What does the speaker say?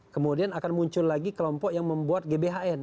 kemudian akan muncul lagi kelompok yang membuat gbhn